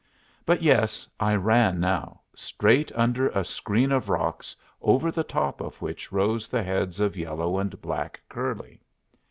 But yes, I ran now, straight under a screen of rocks, over the top of which rose the heads of yellow and black curly.